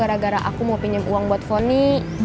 gara gara aku mau pinjam uang buat foni